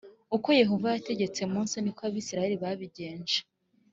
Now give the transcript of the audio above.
Uko Yehova yategetse Mose ni ko Abisirayeli babigenje